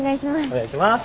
お願いします。